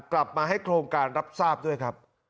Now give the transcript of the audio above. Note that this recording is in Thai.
กลับมาให้โครงการรับทราบด้วยครับ